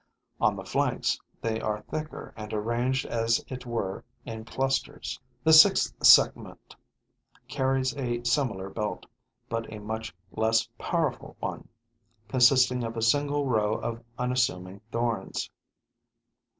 On the flanks, they are thicker and arranged as it were in clusters. The sixth segment carries a similar belt, but a much less powerful one, consisting of a single row of unassuming thorns.